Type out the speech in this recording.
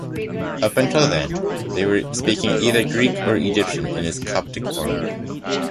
Up until then, they were speaking either Greek or Egyptian in its Coptic form.